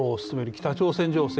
北朝鮮情勢